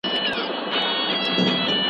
او له مېله والو یا هېوادوالو سره شریکول